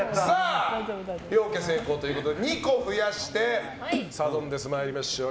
両家成功ということで２個増やしてサドンデス参りましょう。